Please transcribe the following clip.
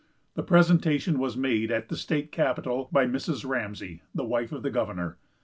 The presentation was made at the state capitol by Mrs. Ramsey, the wife of the governor.